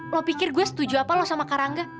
lo pikir gue setuju apa lo sama karangga